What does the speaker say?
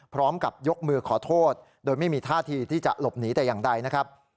พร้อมกับยกมือขอโทษโดยไม่มีท่าทีที่จะหลบหนีแต่อย่างใดนะครับ